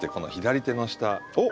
おっ！